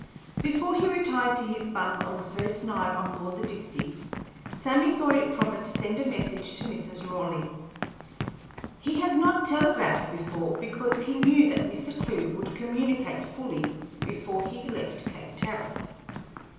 Before he retired to his bunk on the first night on board the Dipsey, Sammy thought it proper to send a message to Mrs. Raleigh. He had not telegraphed before because he knew that Mr. Clewe would communicate fully before he left Cape Tariff.